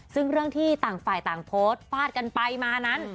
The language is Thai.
ซึ่งเรื่องที่ต่างฝ่ายต่างโพสต์ฟาดกันไปมานั้น